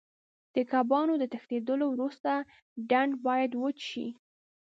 د کبانو د تښتېدلو وروسته ډنډ باید وچ شي.